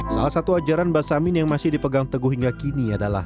salah satu ajaran mbah samin yang masih dipegang teguh ini adalah